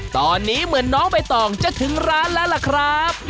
ตอนนี้เหมือนน้องใบตองจะถึงร้านแล้วล่ะครับ